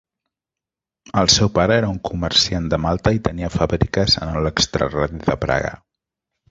El seu pare era un comerciant de malta i tenia fàbriques en l'extraradi de Praga.